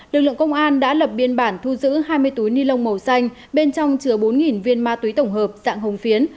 lực lượng công an đã lập biên bản thu giữ hai mươi túi ni lông màu xanh bên trong chứa bốn viên ma túy tổng hợp dạng hồng phiến